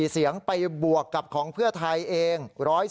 ๔เสียงไปบวกกับของเพื่อไทยเอง๑๔